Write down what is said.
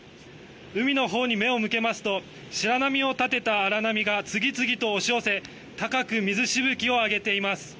海のほうに目を向けますと白波を立てた荒波が次々と押し寄せ高く水しぶきを上げています。